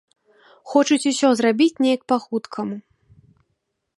Хочуць усё зрабіць неяк па хуткаму.